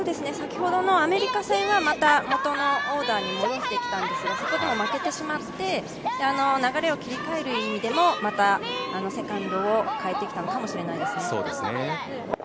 先ほどのアメリカ戦はまた元のオーダーに戻してきたんですが、そこでも負けてしまって、流れを切り替える意味でもまたセカンドを替えてきたのかもしれないですね。